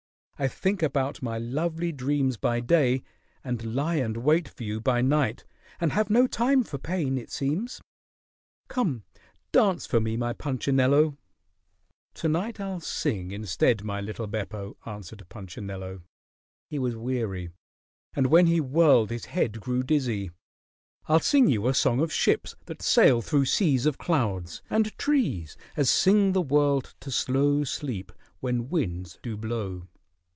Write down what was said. I think about my lovely dreams by day, and lie and wait for you by night, and have no time for pain, it seems. Come dance for me, my Punchinello." "To night I'll sing instead, my little Beppo," answered Punchinello. He was weary, and when he whirled his head grew dizzy. "I'll sing you a song of ships that sail through seas of clouds; and trees as sing the world to slow sleep when winds do blow."